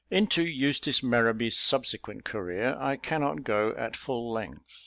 Into Eustace Merrowby's subsequent career I cannot go at full length.